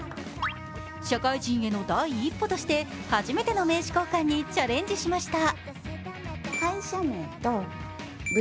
社会人への第一歩として、初めての名刺交換にチャレンジしました。